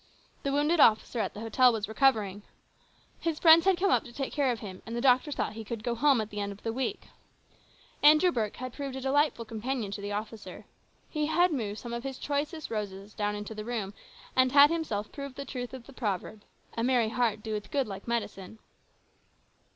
The wounded officer at the hotel was recovering. His friends had come up to take care of him, and the doctor thought he could go home at the end of the week. Andrew Burke had proved a delightful companion to the officer. He had moved some of his choicest roses down into the room and had himself proved the truth of the proverb, " A merry heart doeth good like medicine."